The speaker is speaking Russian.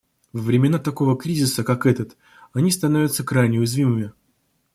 Во времена такого кризиса, как этот, они становятся крайне уязвимыми.